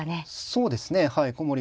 そうですね